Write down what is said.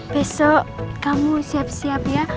besok kamu siap siap ya